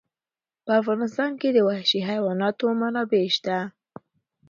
په افغانستان کې د وحشي حیواناتو منابع شته.